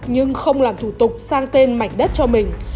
nhưng không làm thủ tục sang tên mảnh đất cho mình